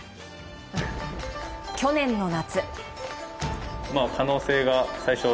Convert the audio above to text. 去年の夏。